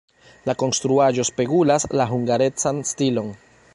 La konstruaĵo spegulas la hungarecan stilon.